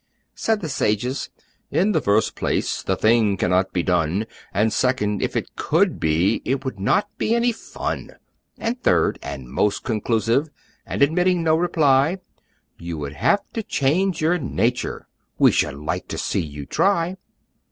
Said the sages, "In the first place, The thing can not be done! And, second, if it could be, It would not be any fun! And, third, and most conclusive And admitting no reply, You would have to change your nature! We should like to see you try!"